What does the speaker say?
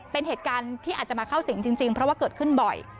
เป็นเหตุการณ์ที่อาจจะมาเข้าสิงจริงเพราะว่าเกิดขึ้นบ่อย